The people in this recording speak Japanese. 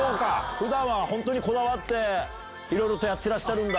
普段は本当にこだわっていろいろやってらっしゃるんだ。